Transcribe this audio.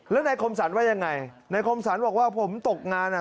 แล้วนายคมสรรว่ายังไงนายคมสรรบอกว่าผมตกงานอ่ะ